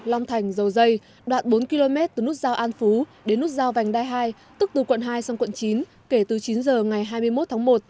long thành dầu dây đoạn bốn km từ nút giao an phú đến nút giao vành đai hai tức từ quận hai sang quận chín kể từ chín h ngày hai mươi một tháng một